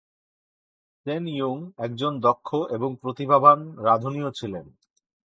Sen Yung একজন দক্ষ এবং প্রতিভাবান রাঁধুনিও ছিলেন।